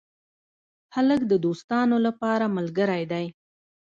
هلک د دوستانو لپاره ملګری دی.